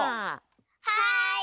はい！